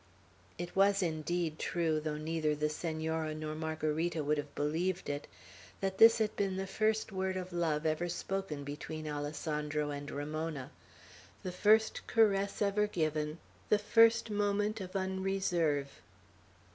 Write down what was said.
It was indeed true, though neither the Senora nor Margarita would have believed it, that this had been the first word of love ever spoken between Alessandro and Ramona, the first caress ever given, the first moment of unreserve.